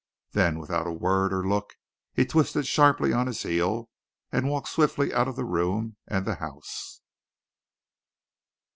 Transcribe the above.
Then, without a word or look, he twisted sharply on his heel, and walked swiftly out of the room and the house.